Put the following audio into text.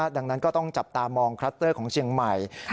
ดังนั้นก็ต้องจับตามองคลัสเตอร์ของเชียงใหม่